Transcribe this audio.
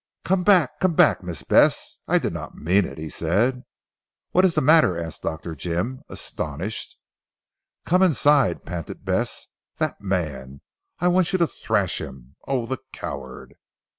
"Come back! Come back, Miss Bess. I did not mean it," he said. "What is the matter?" asked Dr. Jim astonished. "Come inside," panted Bess, "that man! I want you to thrash him. Oh, the coward!"